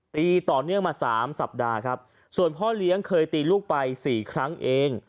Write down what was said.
ตีต่อเนื่องมาสามสัปดาห์ครับส่วนพ่อเลี้ยงเคยตีลูกไปสี่ครั้งเอง